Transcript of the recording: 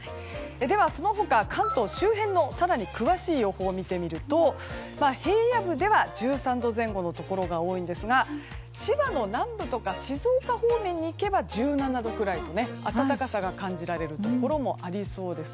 ではその他、関東周辺の更に詳しい予報を見てみると平野部では１３度前後のところが多いんですが千葉の南部とか静岡方面に行けば１７度くらいと暖かさが感じられるところもありそうです。